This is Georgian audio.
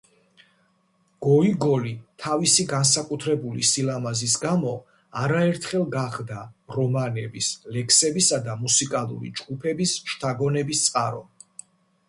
გოიგოლი თავისი განსაკუთრებული სილამაზის გამო არაერთხელ გახდა რომანების, ლექსებისა და მუსიკალური ჯგუფების შთაგონების წყარო.